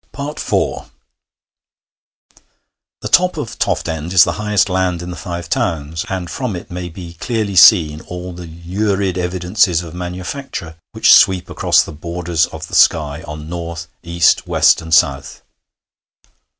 IV The top of Toft End is the highest land in the Five Towns, and from it may be clearly seen all the lurid evidences of manufacture which sweep across the borders of the sky on north, east, west, and south.